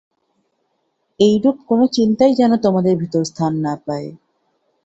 এইরূপ কোন চিন্তাই যেন তোমাদের ভিতর স্থান না পায়।